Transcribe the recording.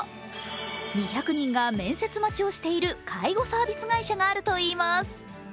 ２００人が面接待ちをしているという介護サービス会社があるといいます。